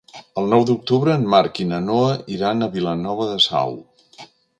El nou d'octubre en Marc i na Noa iran a Vilanova de Sau.